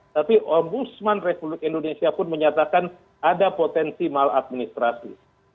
tapi ombudsman republik indonesia pun menyatakan ada potensi maladministrasi